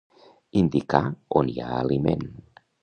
Indicar on hi ha aliment.